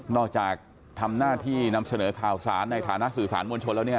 จากทำหน้าที่นำเสนอข่าวสารในฐานะสื่อสารมวลชนแล้วเนี่ย